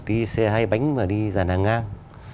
đi xe hay bánh mà đi dàn hàng ngang